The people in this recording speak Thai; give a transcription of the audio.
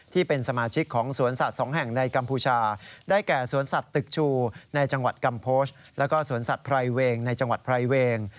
ที่เป็นสมาชิกของสวนสัตว์สองแห่งในกัมพูชาได้แก่สวนสัตว์ตึกชูในจังหวัดกัมโพชแล้วก็สวนสัตว์ไพรเวงในจังหวัดไพรเวง